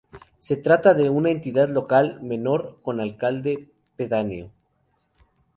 Se trata de una Entidad local menor con alcalde pedáneo.